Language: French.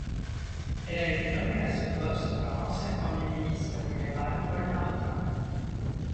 Elle a été nommée à ce poste par l'ancien premier ministre libéral Paul Martin.